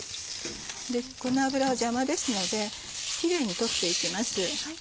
この脂は邪魔ですのでキレイに取っていきます。